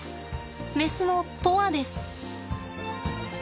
メスの砥愛です。